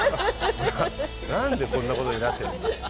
何でこんなことになってるんだって。